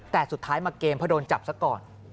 แต่สุดท้ายมาเกมเพราะโดนจับซะก่อน